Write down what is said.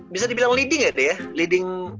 bisa dibilang leading ya itu ya leading